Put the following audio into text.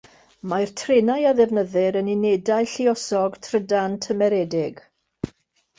Mae'r trenau a ddefnyddir yn unedau lluosog trydan tymeredig.